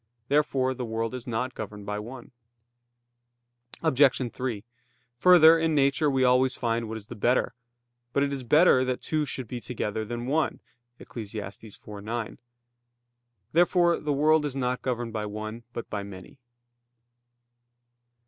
Therefore the world is not governed by one. Obj. 3: Further, in nature we always find what is the better. But it "is better that two should be together than one" (Eccles. 4:9). Therefore the world is not governed by one, but by many.